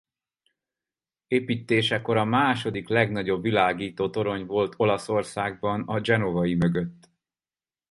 Építésekor a második legnagyobb világítótorony volt Olaszországban a genovai mögött.